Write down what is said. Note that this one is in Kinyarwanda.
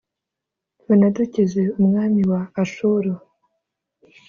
banadukize umwami wa Ashuru.